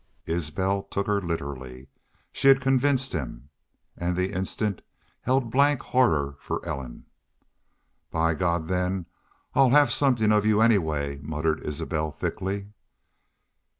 Isbel took her literally. She had convinced him. And the instant held blank horror for Ellen. "By God then I'll have somethin' of you anyway!" muttered Isbel, thickly.